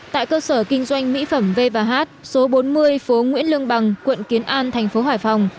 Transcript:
tại cơ sở kinh doanh mỹ phẩm v h số bốn mươi phố nguyễn lương bằng quận kiến an thành phố hải phòng